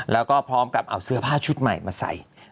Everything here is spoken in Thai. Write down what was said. แล้วก็พร้อมกับเอาเสื้อผ้าชุดใหม่มาใส่